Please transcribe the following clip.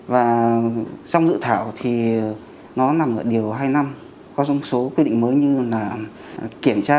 và trong dự thảo thì nó nằm ở điều hai mươi năm có dòng số quy định mới như là